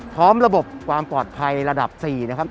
พร้อมระบบความปลอดภัยระดับ๔นะครับ